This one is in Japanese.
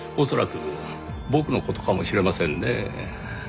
恐らく僕の事かもしれませんねぇ。